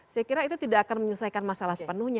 saya kira itu tidak akan menyelesaikan masalah sepenuhnya